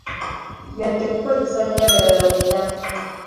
Yadde kukozesa biragalalagala.